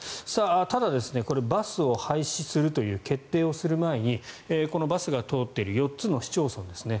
ただ、これバスを廃止するという決定をする前にバスが通っている４つの市町村ですね。